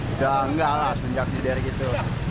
tidak tidak lah semenjak di daerah itu